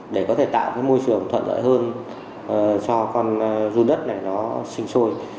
để có thể tạo cái môi trường thuận lợi hơn cho con run đất này nó sinh sôi